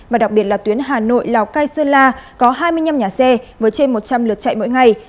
và đặc biệt là tuyến hà nội lào cai sơn la có hai mươi năm nhà xe với trên một trăm linh lượt chạy mỗi ngày